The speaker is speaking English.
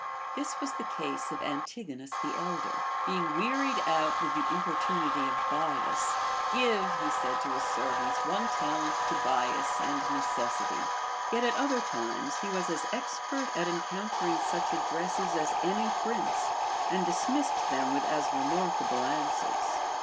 This was the case of Antigonus the elder. Being wearied out with the importunity of Bias, Give, said he to his servants, one talent to Bias and neces sity. A^et at other times he was as expert at encountering such addresses as any prince, and dismissed them with as remarkable answers.